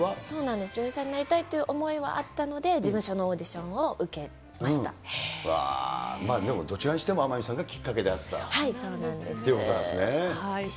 そうなんです、女優さんになりたいって思いはあったので、事務所のオーディションを受けまでもどちらにしても、天海さそうなんです。